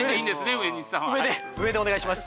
上で上でお願いします。